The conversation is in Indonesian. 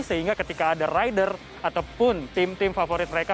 sehingga ketika ada rider ataupun tim tim favorit mereka